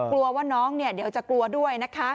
กลัวว่าน้องเดี๋ยวจะกลัวด้วยนะคะ